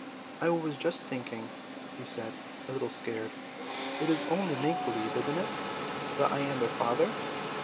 "I was just thinking," he said, a little scared. "It is only make believe, isn't it, that I am their father?"